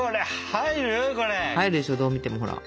入るでしょどう見てもほら。